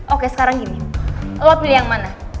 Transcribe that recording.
oke sekarang gini lo pilih yang mana